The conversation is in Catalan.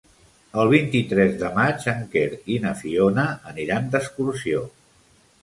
El vint-i-tres de maig en Quer i na Fiona aniran d'excursió.